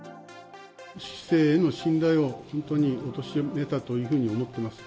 市政への信頼を本当におとしめたというふうに思ってます。